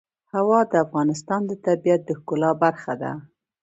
هوا د افغانستان د طبیعت د ښکلا برخه ده.